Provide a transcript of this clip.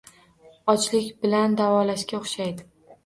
Ochlik bilan davolashga oʻxshaydi